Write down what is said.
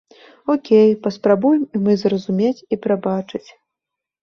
Окей, паспрабуем і мы зразумець і прабачыць.